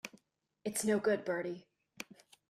It's no good, Bertie.